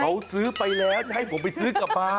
เขาซื้อไปแล้วจะให้ผมไปซื้อกลับมา